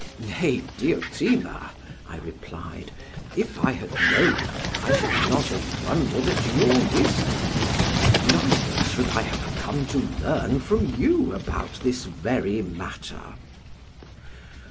"'Nay, Diotima,' I replied, 'if I had known, I should not have wondered at your wisdom, neither should I have come to learn from you about this very matter.'